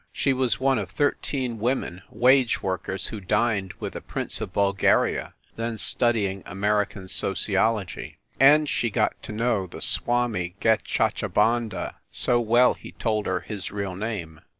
She was one of thirteen wom en wage workers who dined with the Prince of Bul garia, then studying American Sociology; and she got to know the Swami Gecchachavanda so well he told her his real name